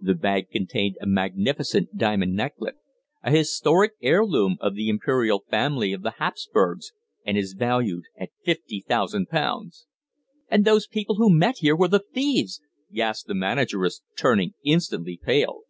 The bag contained a magnificent diamond necklet a historic heirloom of the Imperial family of the Hapsburgs and is valued at fifty thousand pounds!" "And those people who met here were the thieves!" gasped the manageress, turning instantly pale.